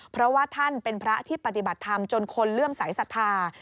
เพราะว่าท่านเป็นพระที่ปฏิบัติธรรมจนคนเลื่อมสายศรัทธา